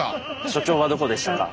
所長はどこでしたか？